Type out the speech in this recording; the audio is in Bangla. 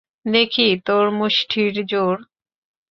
দেখি তোর মুষ্টির জোর।